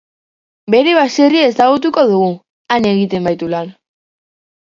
Bere baserria ezagutuko dugu, han egiten baitu lan.